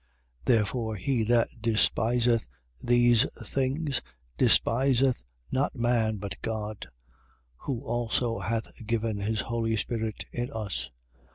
4:8. Therefore, he that despiseth these things, despiseth not man, but God, who also hath given his holy Spirit in us.